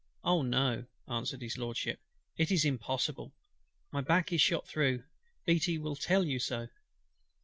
"Oh! no," answered HIS LORDSHIP; "it is impossible. My back is shot through. BEATTY will tell you so."